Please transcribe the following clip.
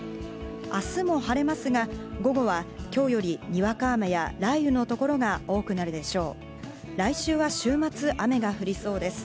明日も晴れますが、午後は今日よりにわか雨や雷雨の所が多くなるでしょう。